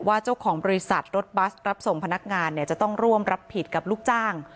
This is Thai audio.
เจ้าของบริษัทรถบัสรับส่งพนักงานเนี่ยจะต้องร่วมรับผิดกับลูกจ้าง